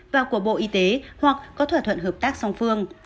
và của bộ y tế hoặc có thỏa thuận hợp tác song phương